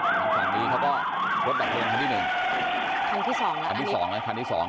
ทั้งสองนี้เขาก็ลดต่อเพลงคันที่หนึ่งคันที่สองแล้วคันที่สองแล้วคันที่สอง